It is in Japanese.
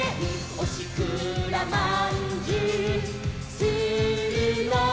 「おしくらまんじゅうするのです」